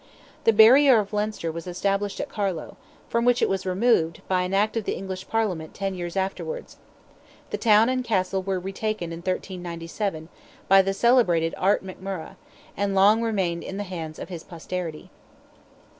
The barrier of Leinster was established at Carlow, from which it was removed, by an act of the English Parliament ten years afterwards; the town and castle were retaken in 1397, by the celebrated Art McMurrogh, and long remained in the hands of his posterity.